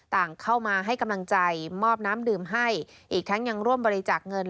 ต่างเข้ามาให้กำลังใจมอบน้ำดื่มให้อีกทั้งยังร่วมบริจาคเงิน